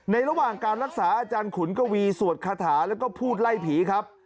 ระหว่างการรักษาอาจารย์ขุนกวีสวดคาถาแล้วก็พูดไล่ผีครับ